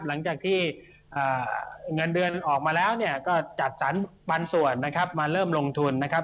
หลังจากที่เงินเดือนออกมาแล้วเนี่ยก็จัดสรรปันส่วนนะครับมาเริ่มลงทุนนะครับ